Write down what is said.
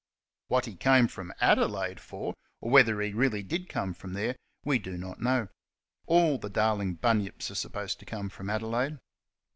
What he came from Adelaide for, or whether he really did come from there, we do not know. All the Darling bunyips are supposed to come from Adelaide.